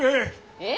え？